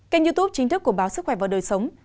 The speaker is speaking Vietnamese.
kênh youtube chính thức của báo sức khỏe và đời sống